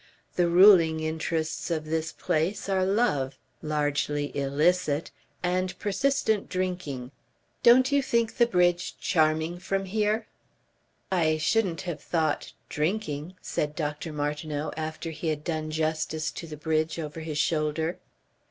The ruling interests of this place are love largely illicit and persistent drinking.... Don't you think the bridge charming from here?" "I shouldn't have thought drinking," said Dr. Martineau, after he had done justice to the bridge over his shoulder.